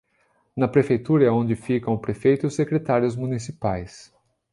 Na prefeitura é onde ficam o prefeito e os secretários municipais